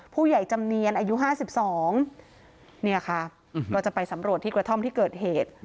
จำเนียนอายุ๕๒เนี่ยค่ะก็จะไปสำรวจที่กระท่อมที่เกิดเหตุ